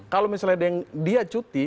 kalau misalnya dia cuti